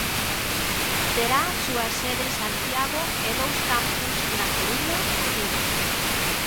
Terá a súa sede en Santiago e dous campus na Coruña e Vigo.